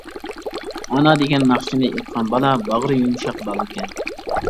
ئانا دېگەن ناخشىنى ئېيتقان بالا باغرى يۇمشاق بالىكەن.